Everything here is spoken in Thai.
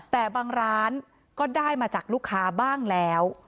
แต่บางร้านก็ได้มาจากลูกค้าบ้างแล้ว